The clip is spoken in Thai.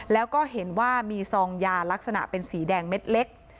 แล้วก็เห็นว่ามีซองยาลักษณะเป็นสีแดงเม็ดเล็ก